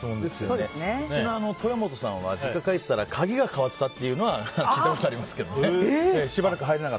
うちの豊本さんは実家帰ったら鍵が変わってたっていうのは聞いたことありますけど。